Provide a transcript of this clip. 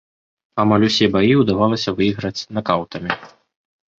Амаль усе баі ўдавалася выйграваць накаўтамі.